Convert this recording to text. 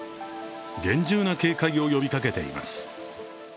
厳重な警戒を呼びかけています。